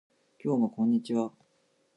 今日もこんにちは